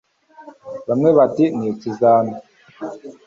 bamwe bati ni ikizami